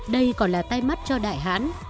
đây còn là tay mắt cho đại hán